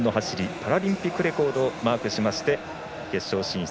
パラリンピックレコードをマークして決勝進出。